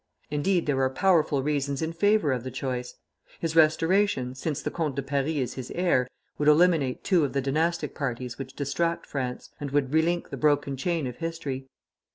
Indeed, there are powerful reasons in favor of the choice. His restoration, since the Comte de Paris is his heir, would eliminate two of the dynastic parties which distract France, and would relink the broken chain of history.